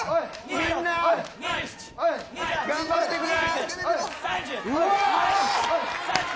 みんな頑張ってくれ。